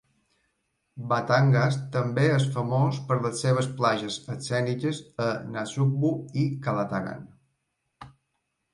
Batangas també és famós per les seves platges escèniques a Nasugbu i Calatagan.